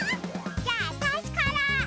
じゃあわたしから！